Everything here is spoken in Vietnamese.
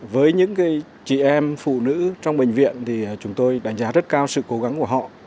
với những chị em phụ nữ trong bệnh viện thì chúng tôi đánh giá rất cao sự cố gắng của họ